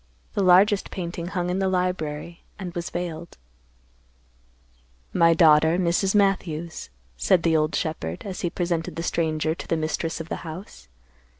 The largest painting hung in the library and was veiled. "My daughter, Mrs. Matthews," said the old shepherd, as he presented the stranger to the mistress of the house.